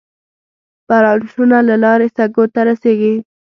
برانشونو له لارې سږو ته رسېږي.